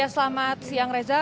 selamat siang reza